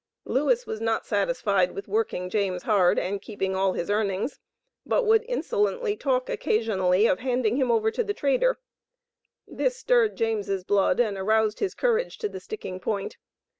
Lewis was not satisfied with working James hard and keeping all his earnings, but would insolently talk occasionally of handing him "over to the trader." This "stirred James' blood" and aroused his courage to the "sticking point."